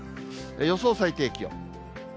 予想最低気温。